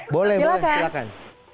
boleh boleh silahkan